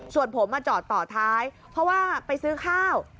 ส่วนผมมาจอดต่อท้ายเพราะว่าไปซื้อข้าว